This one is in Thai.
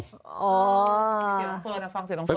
ฟังเสียงน้องเฟิร์น